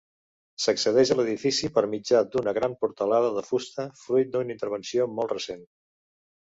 S'accedeix a l'edifici per mitjà d'una gran portalada de fusta fruit d'una intervenció molt recent.